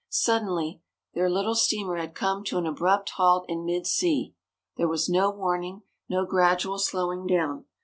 Suddenly their little steamer had come to an abrupt halt in mid sea. There was no warning, no gradual slowing down.